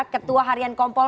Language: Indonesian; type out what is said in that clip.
ketua harian kompol